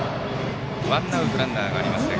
ワンアウトランナーがありません。